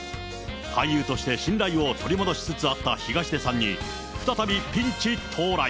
俳優として信頼を取り戻しつつあった東出さんに、再びピンチ到来。